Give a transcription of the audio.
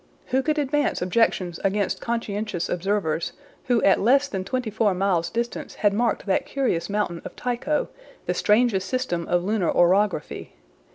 Who could advance objections against conscientious observers, who at less than twenty four miles distance had marked that curious mountain of Tycho, the strangest system of lunar orography?